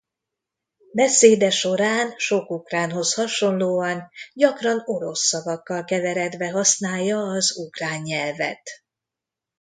Beszéde során sok ukránhoz hasonlóan gyakran orosz szavakkal keveredve használja az ukrán nyelvet.